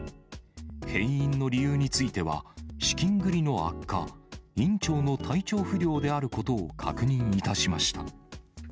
閉院の理由については、資金繰りの悪化、院長の体調不良であることを確認いたしました。